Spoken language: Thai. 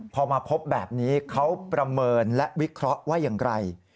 พอมาพบแบบนี้เขาประเมินและวิเคราะห์ว่าอย่างไร